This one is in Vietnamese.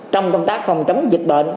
trong công tác phòng chống dịch bệnh